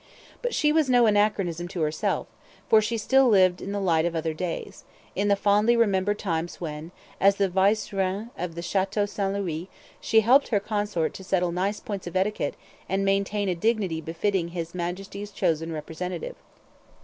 But she was no anachronism to herself; for she still lived in the light of other days, in the fondly remembered times when, as the vice reine of the Chateau St Louis, she helped her consort to settle nice points of etiquette and maintain a dignity befitting His Majesty's chosen representative.